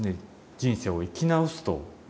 人生を生き直すということ。